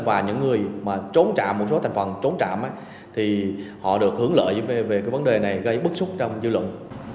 và những người mà trốn trạm một số thành phần trốn trạm thì họ được hướng lợi về cái vấn đề này gây bức xúc trong dư luận